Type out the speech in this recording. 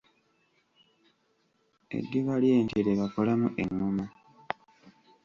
Eddiba ly'ente lye bakolamu engoma.